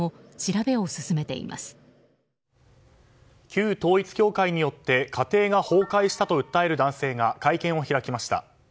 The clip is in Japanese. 旧統一教会によって家庭が崩壊したと訴える男性が会見を開きました。